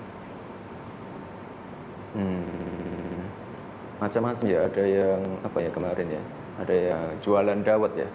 hmm macam macam ya ada yang apa ya kemarin ya ada yang jualan dawet ya